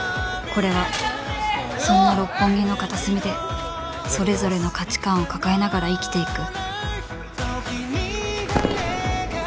これはそんな六本木の片隅でそれぞれの価値観を抱えながら生きていく